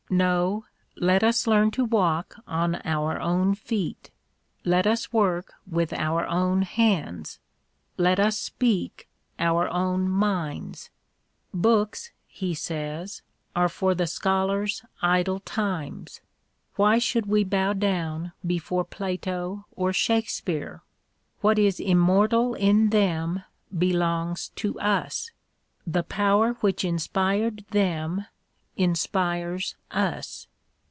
No, let us learn to walk on our own feet, let us work with our own hands, let us speak our own minds. " Books," he says, " are for the scholar's idle times." Why should we bow down before Plato or Shakespeare ? What is immortal in them belongs to us : the Power which inspired them inspires us.